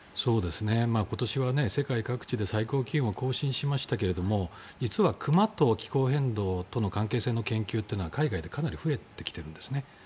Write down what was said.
今年は世界各地で最高気温を更新しましたが実は、熊と気候変動との関係性の研究というのは海外でかなり増えてきてるんですね。